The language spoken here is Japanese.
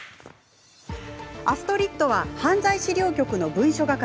アストリッドは犯罪資料局の文書係。